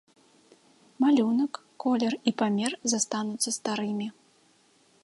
Малюнак, колер і памер застануцца старымі.